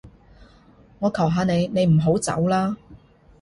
我求下你，你唔好走啦